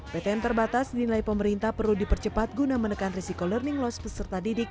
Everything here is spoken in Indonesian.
ptm terbatas dinilai pemerintah perlu dipercepat guna menekan risiko learning loss peserta didik